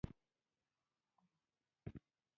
افغانستان په نړۍ کې د انګورو له مخې پېژندل کېږي.